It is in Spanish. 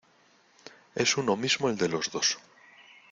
es uno mismo el de los dos.